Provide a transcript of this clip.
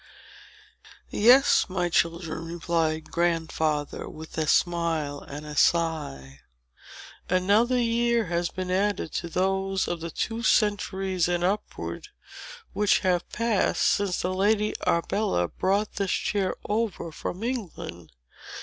"Yes, my children," replied Grandfather, with a smile and a sigh, "another year has been added to those of the two centuries, and upward, which have passed since the Lady Arbella brought this chair over from England.